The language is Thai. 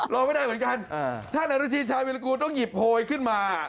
รอไม่ได้เหมือนกันท่านอนุทีชายวิรากูลต้องหยิบโพยขึ้นมา